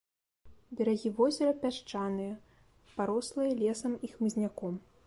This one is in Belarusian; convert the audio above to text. Берагі возера пясчаныя, парослыя лесам і хмызняком.